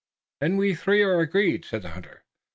"Then we three are agreed," said the hunter.